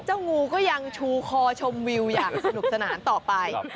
งูก็ยังชูคอชมวิวอย่างสนุกสนานต่อไป